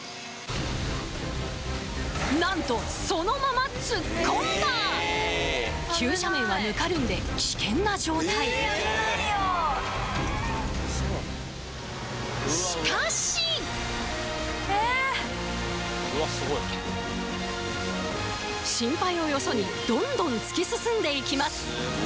なんとそのまま急斜面はぬかるんで危険な状態しかし心配をよそにどんどん突き進んでいきます